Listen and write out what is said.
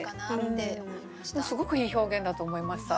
でもすごくいい表現だと思いました。